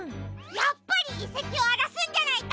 やっぱりいせきをあらすんじゃないか！